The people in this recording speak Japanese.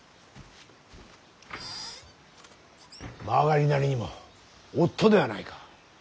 曲がりなりにも夫ではないか。